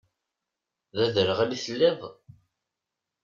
D aderɣal i telliḍ?